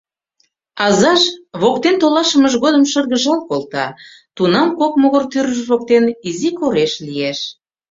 Азаж воктен толашымыж годым шыргыжал колта, тунам кок могыр тӱрвыж воктен изи кореш лиеш.